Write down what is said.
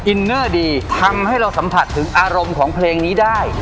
อินเนอร์ดีทำให้เราสัมผัสถึงอารมณ์ของเพลงนี้ได้